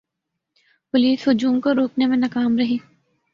police ہجوم کو روکنے میں ناکام رہی